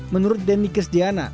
menurut denny kesdiana